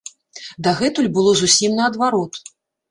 Дагэтуль было зусім наадварот.